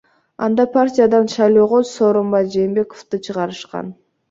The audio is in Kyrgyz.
Анда партиядан шайлоого Сооронбай Жээнбековду чыгарышкан.